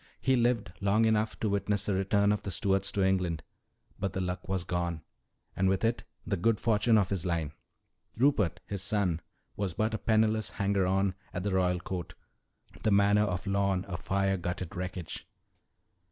He lived long enough to witness the return of the Stuarts to England. But the Luck was gone, and with it the good fortune of his line. Rupert, his son, was but a penniless hanger on at the royal court; the manor of Lorne a fire gutted wreckage.